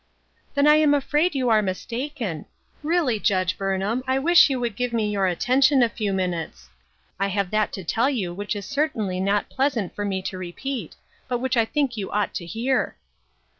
"Then I am afraid you are mistaken. Really, Judge Burnham, I wish you would give me your attention a few minutes. I have that to tell you which is certainly not pleasant for me to repeat, but which I think you ought to hear."